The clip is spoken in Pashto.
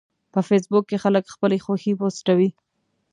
په فېسبوک کې خلک خپلې خوښې پوسټوي